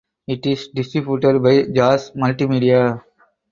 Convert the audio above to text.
It is distributed by Jaaz Multimedia.